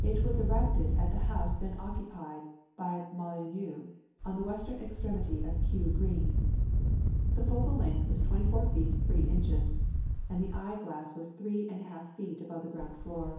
It was erected at the house then occupied by Molyneux, on the western extremity of Kew Green. The focal length was 24 feet 3 inches, and the eye glass was 3 and a half feet above the ground floor.